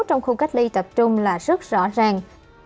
trong khu cách ly tập trung là rất rõ ràng